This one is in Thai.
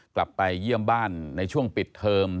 กลับไปเยี่ยมบ้านในช่วงปิดเทอม